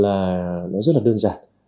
là rất là đơn giản